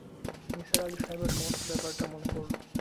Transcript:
নিসার আলি সাহেবের সমস্ত ব্যাপারটা মনে পড়ল।